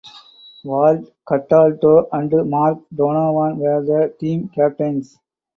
Walt Cataldo and Mark Donovan were the team captains.